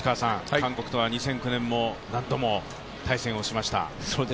韓国とは２００９年に何度も対戦しました。